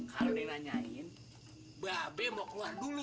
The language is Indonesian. kalo dinanyain babay mau keluar dulu